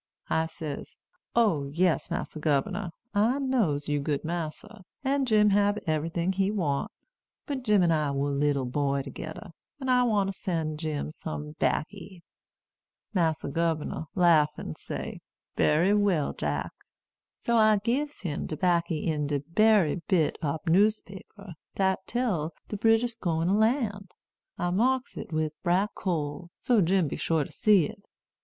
I says, 'O yes, Massa Gubernor, I knows you good massa, and Jim hab eberyting he want. But Jim an' I was leetle boy togeder, and I wants to sen' Jim some backy.' Massa Gubernor laugh an' say, 'Bery well, Jack.' So I gibs him de backy in de bery bit ob newspaper dat tell de British gwine to lan'. I marks it wid brack coal, so Jim be sure to see it.